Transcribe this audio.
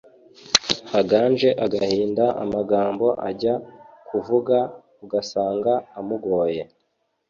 Haganje agahinda Amagambo ajya kuvuga Ugasanga amugoye.